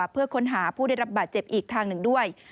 เพื่อค้นหาผู้ได้รับบาดเจ็บอีกทางหนึ่งด้วย